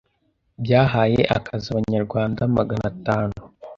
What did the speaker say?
byahaye akazi abanyarwanda Magana atanu